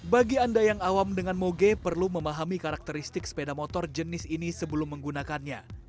bagi anda yang awam dengan moge perlu memahami karakteristik sepeda motor jenis ini sebelum menggunakannya